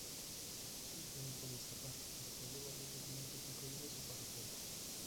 Chin Peng pudo escapar, pero perdió varios documentos, incluyendo su pasaporte.